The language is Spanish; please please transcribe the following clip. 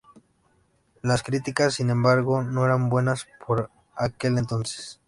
Las críticas sin embargo, no eran buenas por aquel entonces.